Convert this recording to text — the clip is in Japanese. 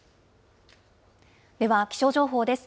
では、気象情報です。